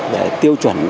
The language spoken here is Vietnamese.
để tiêu chuẩn